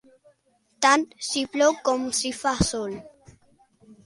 Tant si plou com si fa sol.